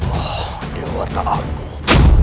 oh dewa tak agung